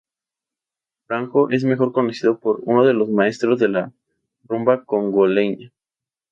Franco es mejor conocido por ser uno de los "maestros" de la rumba congoleña.